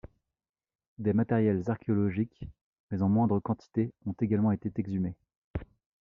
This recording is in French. Des matériels archéologiques, mais en moindre quantité, ont également été exhumés.